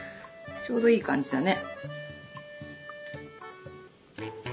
ちょうどいい感じだね。